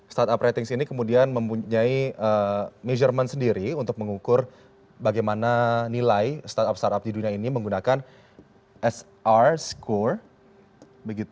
startup ratings ini kemudian mempunyai measurement sendiri untuk mengukur bagaimana nilai startup startup di dunia ini menggunakan sr schore